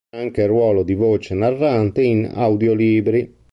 Ha anche il ruolo di voce narrante in audiolibri.